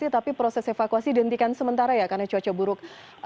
tapi proses evakuasi dihentikan sementara ya karena cuaca buruk